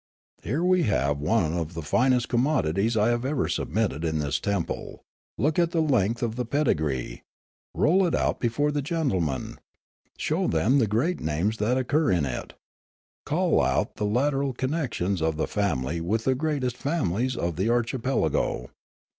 " Here we have one of the finest commodities I have ever submitted in this temple ; look at the length of the pedigree ; roll it out before the gentlemen ; show them the great names that occur in it ; call out the lateral connections of the family with the greatest fam ilies of the archipelago.